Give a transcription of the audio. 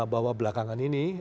bahwa belakangan ini